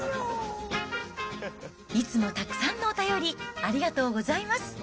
いつもたくさんのお便りありがとうございます。